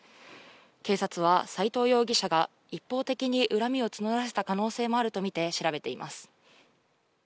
警察は斎藤容疑者が一方的に恨みを募らせた可能性もあるとみて調べています。